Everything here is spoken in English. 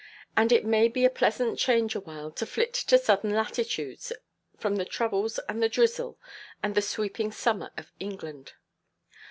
And it may be a pleasant change awhile to flit to southern latitudes from the troubles and the drizzle, and the weeping summer of England.